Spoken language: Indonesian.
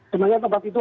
sebenarnya tempat itu